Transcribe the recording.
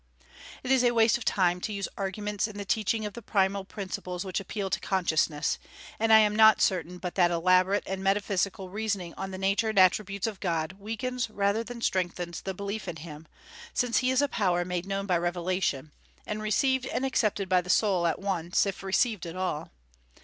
It is a waste of time to use arguments in the teaching of the primal principles which appeal to consciousness; and I am not certain but that elaborate and metaphysical reasoning on the nature and attributes of God weakens rather than strengthens the belief in Him, since He is a power made known by revelation, and received and accepted by the soul at once, if received at all.